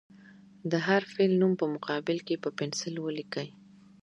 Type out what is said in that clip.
د هر فعل نوم په مقابل کې په پنسل ولیکئ.